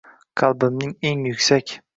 Qalbimning eng yuksak